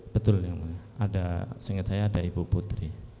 betul ada saya ingat saya ada ibu putri